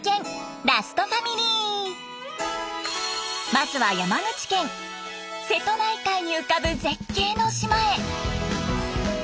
まずは山口県瀬戸内海に浮かぶ絶景の島へ。